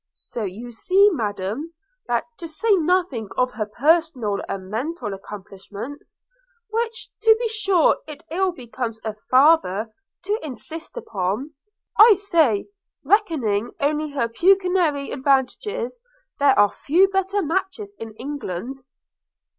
So you see, Madam, that, to say nothing of her personal and mental accomplishments, which to be sure it ill becomes a father to insist upon – I say, reckoning only her pecuniary advantages, there are few better matches in England.'